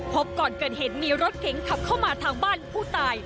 พบก่อนเกิดเหตุมีรถเก๋งขับเข้ามาทางบ้านผู้ตาย